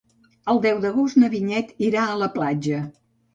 El deu d'agost na Vinyet irà a la platja.